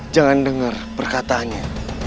jangan dengar perkataannya